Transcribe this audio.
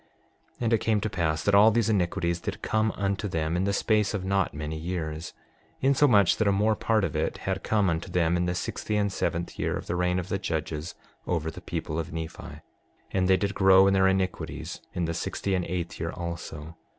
6:32 And it came to pass that all these iniquities did come unto them in the space of not many years, insomuch that a more part of it had come unto them in the sixty and seventh year of the reign of the judges over the people of Nephi. 6:33 And they did grow in their iniquities in the sixty and eighth year also.